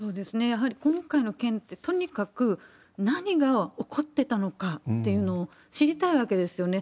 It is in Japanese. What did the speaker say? やはり今回の件ってとにかく何が起こってたのかっていうのを知りたいわけですよね。